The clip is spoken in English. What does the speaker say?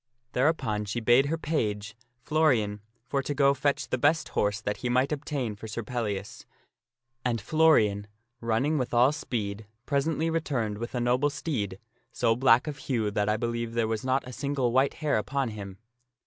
Thereupon she bade her page, Florian, for to go fetch the best horse that he might obtain for Sir Pellias ; and Florian, running with all speed, presently returned with a noble steed, so black of hue that I believe there was not a single white hair upon him.